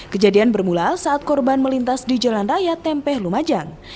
kejadian bermula saat korban melintas di jalan raya tempeh lumajang